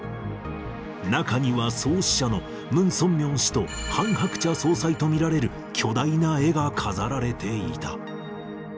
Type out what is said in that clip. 中には創始者のムン・ソンミョン氏とハン・ハクチャ総裁と見られる巨大な絵が飾られていた。